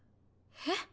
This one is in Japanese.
えっ？